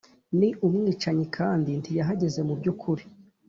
Ni umwicanyi kandi ntiyahagaze mu by ukuri